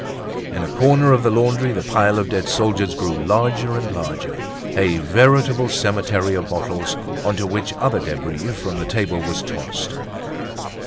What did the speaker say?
In a corner of the laundry the pile of dead soldiers grew larger and larger, a veritable cemetery of bottles onto which other debris from the table was tossed.